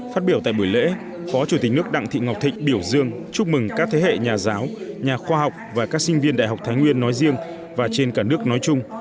phát biểu tại buổi lễ phó chủ tịch nước đặng thị ngọc thịnh biểu dương chúc mừng các thế hệ nhà giáo nhà khoa học và các sinh viên đại học thái nguyên nói riêng và trên cả nước nói chung